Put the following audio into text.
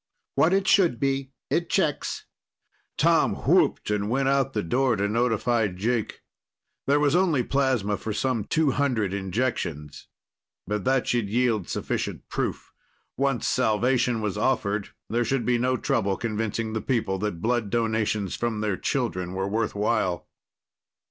"What it should be. It checks." Tom whooped and went out the door to notify Jake. There was only plasma for some two hundred injections, but that should yield sufficient proof. Once salvation was offered, there should be no trouble convincing the people that blood donations from their children were worthwhile.